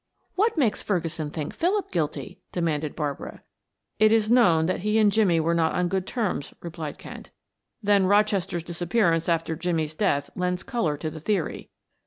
"What makes Ferguson think Philip guilty?" demanded Barbara. "It is known that he and Jimmie were not on good terms," replied Kent. "Then Rochester's disappearance after Jimmie's death lends color to the theory."